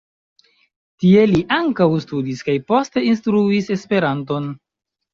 Tie li ankaŭ studis kaj poste instruis Esperanton.